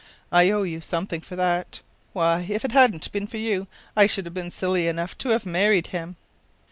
I owe you something for that. Why, if it hadn’t been for you I should have been silly enough to have married him.